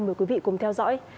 mời quý vị cùng theo dõi